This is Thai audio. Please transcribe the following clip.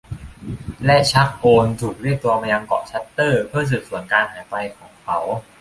และชัค โอล ถูกเรียกตัวมายังเกาะชัตเตอร์เพื่อสืบสวนการหายตัวไปของเขา